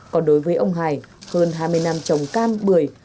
còn đối với ông hải hơn hai mươi năm trồng cam bưởi